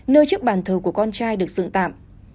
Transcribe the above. nơi chiếc bàn thờ của con trai được dựng tạm